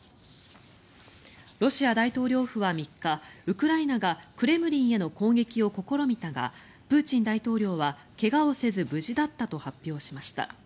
ロシア大統領府は３日ウクライナがクレムリンへの攻撃を試みたがプーチン大統領は怪我をせず無事だったと発表しました。